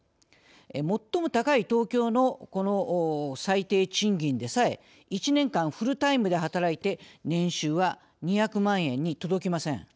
最も高い東京のこの最低賃金でさえ１年間フルタイムで働いて年収は２００万円に届きません。